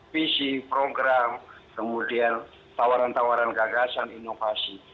visi program kemudian tawaran tawaran gagasan inovasi